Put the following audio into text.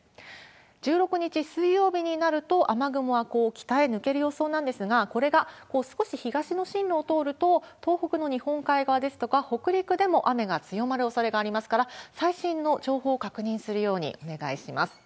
１６日水曜日になると、雨雲は北へ抜ける予想なんですが、これが少し東の進路を通ると、東北の日本海側ですとか北陸でも雨が強まるおそれがありますから、最新の情報を確認するようにお願いします。